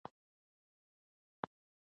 حاجي لالی تر حاجي مریم اکا عمر زیات وو.